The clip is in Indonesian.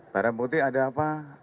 barang bukti ada apa